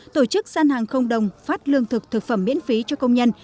tổ chức gian hàng không đồng phát lương thực thực phẩm miễn phí cho công nhân